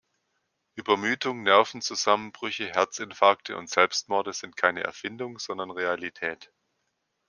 Übermüdung, Nervenzusammenbrüche, Herzinfarkte und Selbstmorde sind keine Erfindung, sondern Realität.